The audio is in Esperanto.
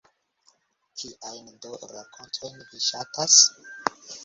Kiajn do rakontojn vi ŝatas?